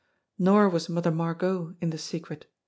Nor was Mother Margot in the secret.